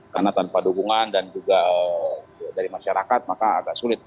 karena tanpa dukungan dan juga dari masyarakat maka agak sulit